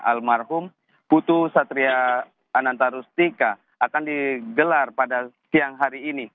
almarhum putu satria ananta rustika akan digelar pada siang hari ini